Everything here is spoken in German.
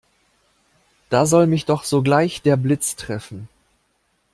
Da soll mich doch sogleich der Blitz treffen!